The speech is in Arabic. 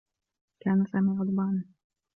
كان سامي غضبانا.